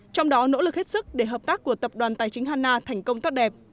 trong đó nỗ lực hết sức để hợp tác của tập đoàn tài chính hanna thành công tốt đẹp